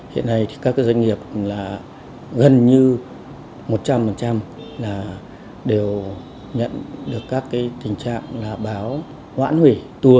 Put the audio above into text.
hiện nay thì các doanh nghiệp là gần như một trăm linh là đều nhận được các tình trạng là báo hoãn hủy tour